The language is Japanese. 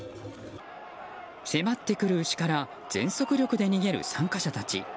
迫ってくる牛から全速力で逃げる参加者たち。